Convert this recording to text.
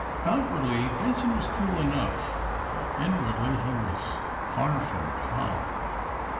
Outwardly, Benson was cool enongh, but in wardly be was far from calm.